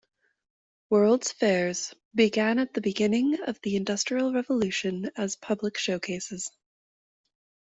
World's Fairs began at the beginning of the Industrial Revolution as public showcases.